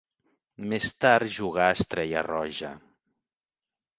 Més tard jugà a Estrella Roja.